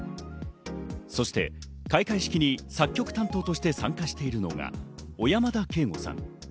そして開会式に作曲担当として参加しているのが小山田圭吾さん。